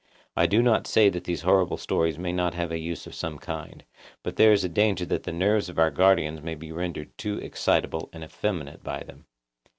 I do not say that these horrible stories may not have a use of some kind; but there is a danger that the nerves of our guardians may be rendered too excitable and effeminate by them.